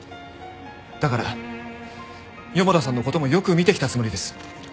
だから四方田さんの事もよく見てきたつもりです。